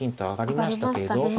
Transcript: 上がりましたね。